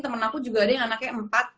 temen aku juga ada yang anaknya empat